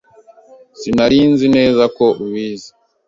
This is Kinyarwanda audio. Sinari nzi neza ko ubizi.